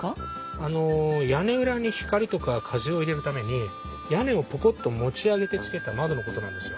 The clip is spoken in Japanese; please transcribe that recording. あの屋根裏に光とか風を入れるために屋根をポコッと持ち上げてつけた窓のことなんですよ。